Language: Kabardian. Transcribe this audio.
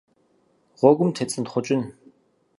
Гъуэгум тецӀэнтхъукӀын.